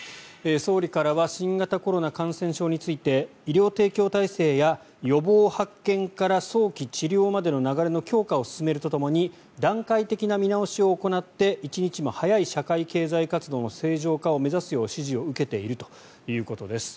総理からは新型コロナ感染症について医療提供体制や予防発見から早期治療までの流れの強化を進めるとともに段階的な見直しを行って一日も早い社会経済活動の正常化を目指すよう指示を受けているということです。